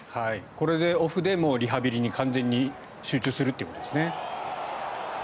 これでオフでリハビリに完全に集中するということですね。